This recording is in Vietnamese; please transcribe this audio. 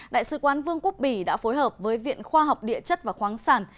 đại sứ quán vương quốc bỉ đã phối hợp với viện khoa học địa chất và khoáng sản